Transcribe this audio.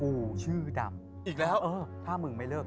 พี่ยังไม่ได้เลิกแต่พี่ยังไม่ได้เลิก